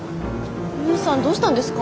勇さんどうしたんですか？